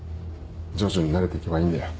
徐々に慣れて行けばいいんだよ。